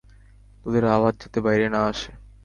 তাদের আওয়াজ যাতে বাইরে না আসে।